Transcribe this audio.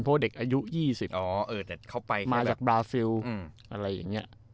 ควรเด็กอายุยี่สิบอ๋อเออแต่เข้าไปมาจากบราซิลอืมอะไรอย่างเงี้ย